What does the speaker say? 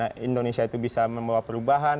bagaimana indonesia bisa membawa perubahan